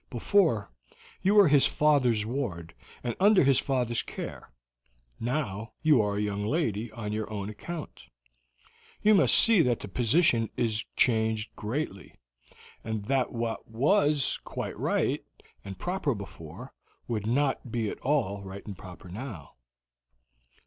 Before, you were his father's ward, and under his father's care; now you are a young lady on your own account. You must see that the position is changed greatly, and that what was quite right and proper before would not be at all right and proper now."